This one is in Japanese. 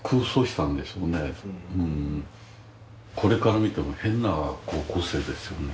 これから見ても変な高校生ですよね。